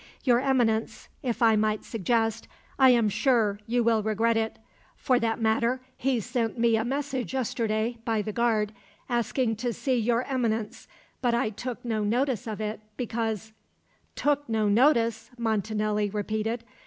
"Your Eminence if I might suggest I am sure you will regret it. For that matter, he sent me a message yesterday, by the guard, asking to see Your Eminence; but I took no notice of it, because " "Took no notice!" Montanelli repeated.